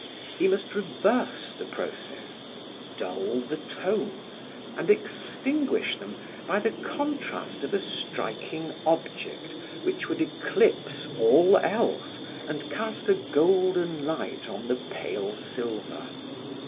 He must reverse the process, dull the tones, and extinguish them by the contrast of a striking object, which would eclipse all else and cast a golden light on the pale silver.